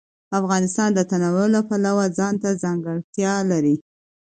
افغانستان د تنوع د پلوه ځانته ځانګړتیا لري.